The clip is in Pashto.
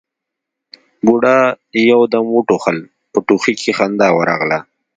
بوډا يو دم وټوخل، په ټوخي کې خندا ورغله: